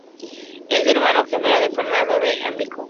Es hermano gemelo de Fernando D'Amico.